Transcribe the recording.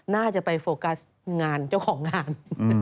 น่าจะไปโฟกัสงานเจ้าของงาน